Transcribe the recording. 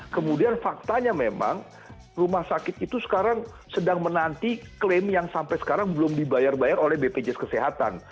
kemudian faktanya memang rumah sakit itu sekarang sedang menanti klaim yang sampai sekarang belum dibayar bayar oleh bpjs kesehatan